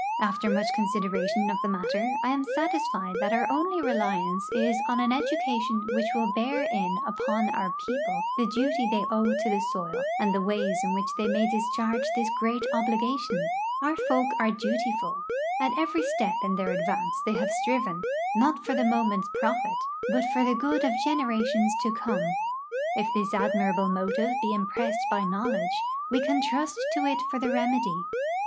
After much consideration of the matter, I am satisfied that our only reliance is on an education which will bear in upon our people the duty the}" owe to the soil and the ways in which they may discharge this great obligation. Our folk are dutiful ; at every step in their advance they have striven, not for the moment's profit, but for the good of generations to come. If this admirable motive be impressed by knowledge, we can trust to it for the remedy.